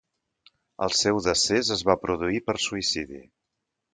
El seu decés es va produir per suïcidi.